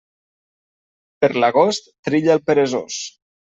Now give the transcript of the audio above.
Per l'agost trilla el peresós.